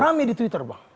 rame di twitter bang